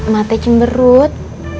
mak teh cemberut